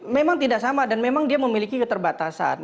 memang tidak sama dan memang dia memiliki keterbatasan